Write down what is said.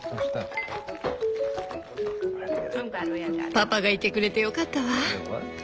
パパがいてくれてよかったわ！